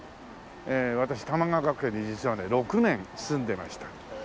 私玉川学園に実はね６年住んでました。